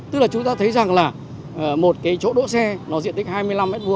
tức là chúng ta thấy rằng là một cái chỗ đỗ xe nó diện tích hai mươi năm m hai